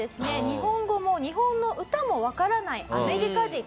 日本語も日本の歌もわからないアメリカ人。